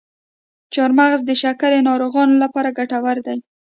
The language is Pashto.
چارمغز د شکرې ناروغانو لپاره ګټور دی.